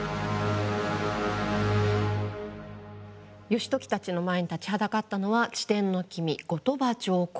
義時たちの前に立ちはだかったのは治天の君後鳥羽上皇でした。